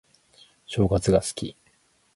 正月が好き